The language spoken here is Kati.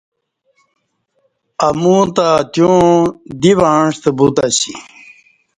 امو تہ اتیوعں دی وعݩستہ بوتاسی